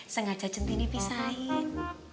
sengaja centini pisahin